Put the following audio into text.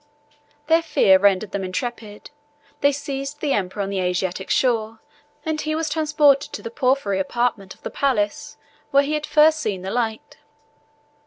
Their fear rendered them intrepid; they seized the emperor on the Asiatic shore, and he was transported to the porphyry apartment of the palace, where he had first seen the light.